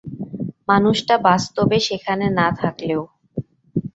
মানুষটা বাস্তবে সেখানে না থাকলেও।